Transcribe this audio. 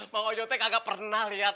ma ojo teh kagak pernah liat